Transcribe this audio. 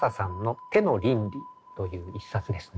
という１冊ですね。